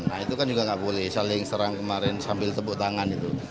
nah itu kan juga nggak boleh saling serang kemarin sambil tepuk tangan itu